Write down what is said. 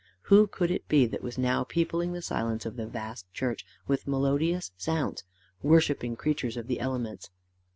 Who could it be that was now peopling the silence of the vast church with melodious sounds, worshipping creatures of the elements?